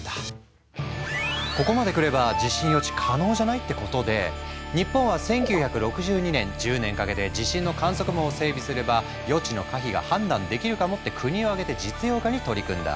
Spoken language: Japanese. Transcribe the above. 「ここまでくれば地震予知可能じゃない？」ってことで日本は１９６２年「１０年かけて地震の観測網を整備すれば予知の可否が判断できるかも」って国を挙げて実用化に取り組んだ。